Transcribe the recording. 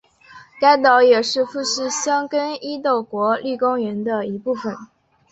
该岛也是富士箱根伊豆国立公园的一部分。